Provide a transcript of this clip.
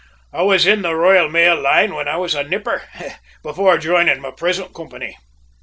"I was in the Royal Mail Line when I was a nipper, before joining my present company."